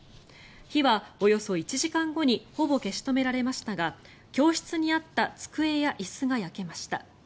火はおよそ１時間後にほぼ消し止められましたが教室にあった机や椅子が焼けました。